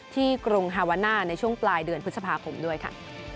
กรุงฮาวาน่าในช่วงปลายเดือนพฤษภาคมด้วยค่ะ